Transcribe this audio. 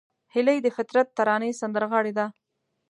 هیلۍ د فطرت ترانې سندرغاړې ده